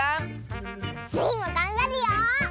スイもがんばるよ！